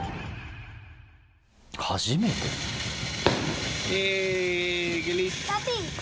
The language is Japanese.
初めての。